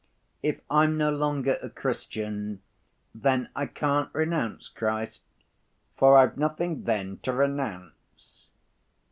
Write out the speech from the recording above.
If I'm no longer a Christian, then I can't renounce Christ, for I've nothing then to renounce.